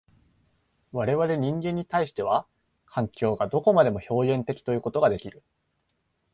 我々人間に対しては、環境がどこまでも表現的ということができる。